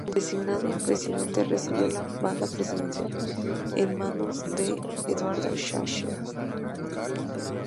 Designado presidente, recibió la banda presidencial de manos de don Eduardo Schaerer.